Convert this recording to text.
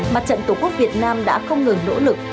mặt trận tổ quốc việt nam đã không ngừng nỗ lực